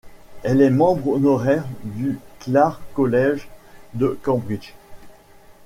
Elle est membre honoraire du Clare College de Cambridge.